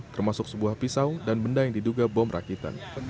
termasuk sebuah pisau dan benda yang diduga bom rakitan